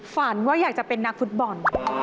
ฝันว่าอยากจะเป็นนักฟุตบอล